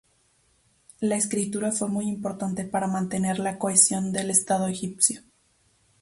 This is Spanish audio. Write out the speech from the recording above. La escritura fue muy importante para mantener la cohesión del Estado egipcio.